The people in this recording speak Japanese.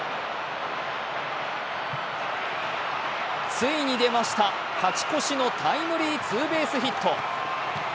ついに出ました、勝ち越しのタイムリーツーベースヒット。